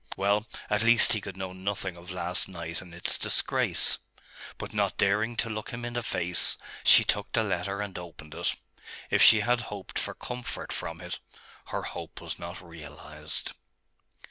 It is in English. Well; at least he could know nothing of last night and its disgrace. But not daring to look him in the face, she took the letter and opened it.... If she had hoped for comfort from it, her hope was not realised.